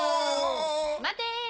待て！